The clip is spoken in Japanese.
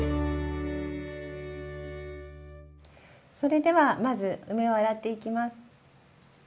それではまず梅を洗っていきます。